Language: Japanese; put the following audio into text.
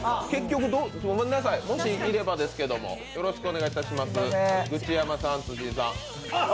もしいればですけど、よろしくお願いいたします。